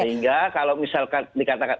sehingga kalau misalkan dikatakan